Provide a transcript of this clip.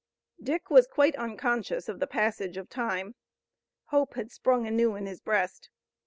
Dick was quite unconscious of the passage of time. Hope had sprung anew in his breast.